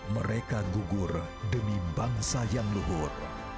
mereka gugur demi bangsa yang luhur